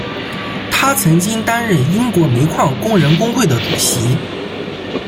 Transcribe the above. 他曾经担任英国煤矿工人工会的主席。